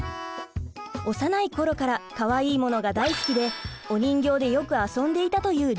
幼い頃からかわいいものが大好きでお人形でよく遊んでいたというりゅうちぇるさん。